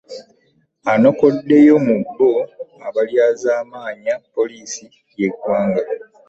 Anokoddwayo mu abo abaalyazaamaanya poliisi y'eggwanga.